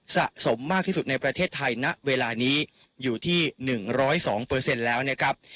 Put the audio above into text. สะสมมากที่สุดในประเทศไทยณเวลานี้อยู่ที่หนึ่งร้อยสองเปอร์เซ็นต์แล้วนะครับ